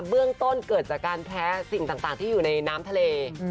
เบื้องต้นเกิดจากการแพ้สิ่งต่างที่อยู่ในน้ำทะเล